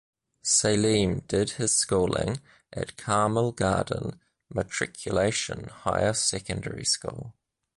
Saleem did his schooling at Carmel Garden Matriculation Higher Secondary School.